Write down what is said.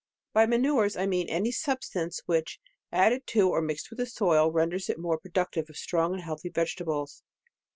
By manures I mean any substance which, added to, or mixed with the soil, renders it more productive of strong and healthy vege tables.